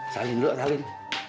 salin dulu salin